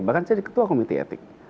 bahkan saya di ketua komite etik